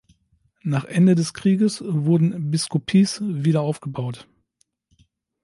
Nach Ende des Krieges wurden Biskupice wieder aufgebaut.